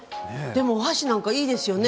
お箸、なんかいいですよね。